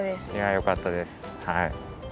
いやよかったですはい。